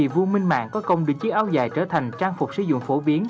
với trang phục sử dụng phổ biến